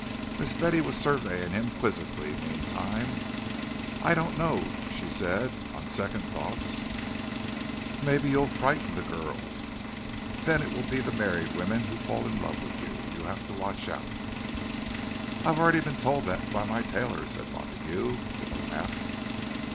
Miss Betty was surveying him quizzically meantime. "I don't know," she said. "On second thoughts, maybe you'll frighten the girls. Then it'll be the married women who'll fall in love with you. You'll have to watch out." "I've already been told that by my tailor," said Montague, with a laugh.